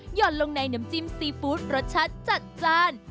ห่อนลงในน้ำจิ้มซีฟู้ดรสชาติจัดจ้าน